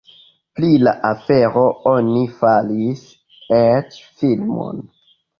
Pri la afero oni faris eĉ filmon.